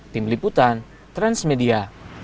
tim liputan transmedia